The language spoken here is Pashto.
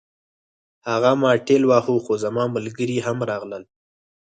هغه ما ټېل واهه خو زما ملګري هم راغلل